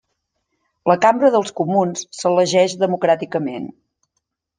La Cambra dels Comuns s'elegeix democràticament.